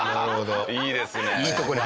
いいですね。